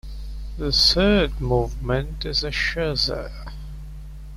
The third movement is a scherzo.